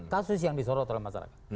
kasus yang disorot oleh masyarakat